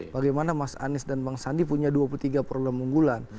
bagaimana mas anies dan bang sandi punya dua puluh tiga program unggulan